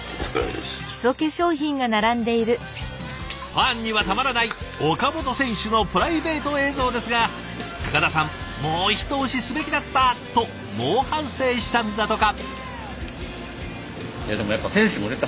ファンにはたまらない岡本選手のプライベート映像ですが高田さんもう一押しすべきだったと猛反省したんだとか。